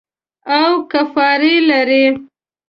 او کفار یې لري.